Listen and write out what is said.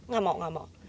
gak mau gak mau